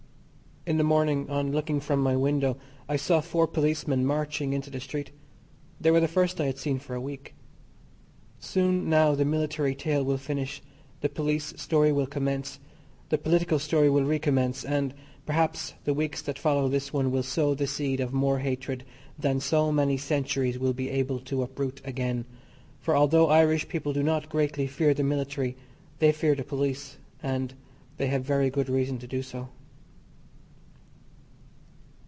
In the morning on looking from my window I saw four policemen marching into the street. They were the first I had seen for a week. Soon now the military tale will finish, the police story will commence, the political story will recommence, and, perhaps, the weeks that follow this one will sow the seed of more hatred than so many centuries will be able to uproot again, for although Irish people do not greatly fear the military they fear the police, and they have very good reason to do so.